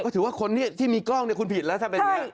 ถือว่าคนที่มีกล้องคุณผิดแล้วถ้าเป็นอย่างนี้